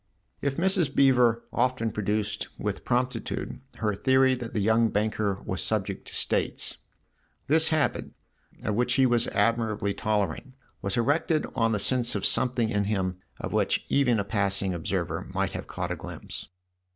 If Mrs. Beever often produced, with promptitude, her theory that the young banker was subject to " states," this habit, of which he was admirably tolerant, was erected on the sense of something in him of which even a passing observer might have caught a glimpse.